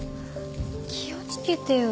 気を付けてよ。